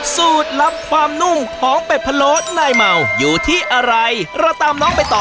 สูตรลับความนุ่มของเป็ดพะโล้นายเมาอยู่ที่อะไรเราตามน้องไปต่อ